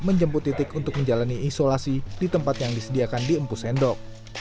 menjemput titik untuk menjalani isolasi di tempat yang disediakan di empus sendok